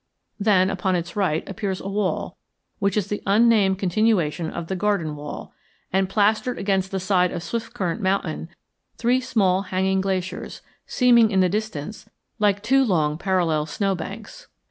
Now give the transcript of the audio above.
Then, upon its right, appears a wall which is the unnamed continuation of the Garden Wall, and, plastered against the side of Swiftcurrent Mountain, three small hanging glaciers, seeming in the distance like two long parallel snow banks.